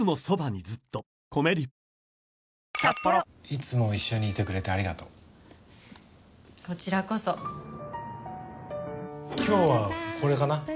いつも一緒にいてくれてありがとうこちらこそ今日はこれかな